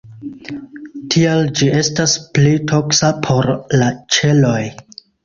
Tial ĝi estas pli toksa por la ĉeloj.